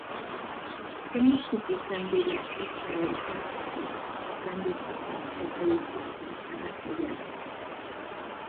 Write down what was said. Zeintzuk izan dira euskara ikasteko izan dituzten eta dituzten arrazoiak?